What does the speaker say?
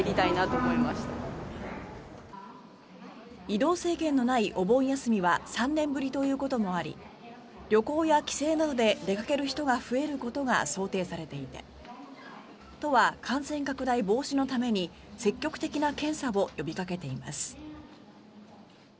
移動制限のないお盆休みは３年ぶりということもあり旅行や帰省などで出かける人が増えることが想定されていて都は感染拡大防止のために積極的な検査を呼びかけています。